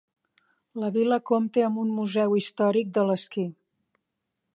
La vila compta amb un museu històric de l'esquí.